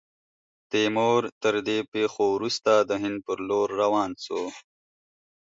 تیمور، تر دې پیښو وروسته، د هند پر لور روان سو.